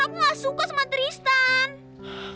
aku gak suka sama tristan